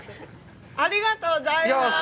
ありがとうございます！